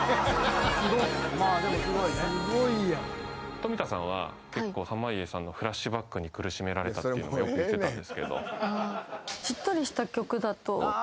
富田さんは結構濱家さんのフラッシュバックに苦しめられたっていうのをよく言ってたんですけど。